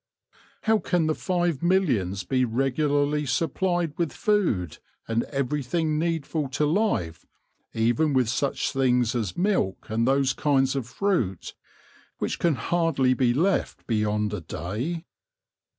How can the five millions be regularly supplied with food, and everything needful to life, even with such things as milk and those kinds of fruit which can hardly be left beyond a day?